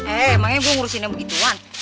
eh makanya gue ngurusinnya begituan